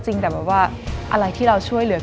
สนุนโดยโพธาไลน์เลเชอร์พาร์ค